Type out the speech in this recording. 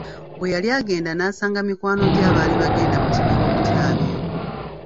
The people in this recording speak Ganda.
Bwe yali agenda n'asanga mikwano gye abaali bagenda mu kibira okutyaba enku.